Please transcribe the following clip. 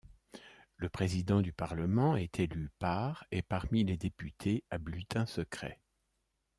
Le président du Parlement est élu par et parmi les députés, à bulletin secret.